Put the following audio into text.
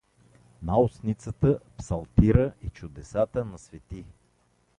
Наустницата, Псалтира и Чудесата на св.